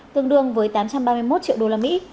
tương đương với tám trăm ba mươi một triệu đô la mỹ